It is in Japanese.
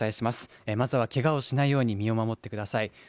まずはけがをしないように身を守ってください。